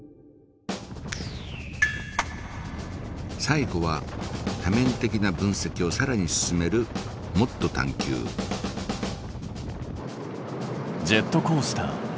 最後は多面的な分析をさらに進めるジェットコースター。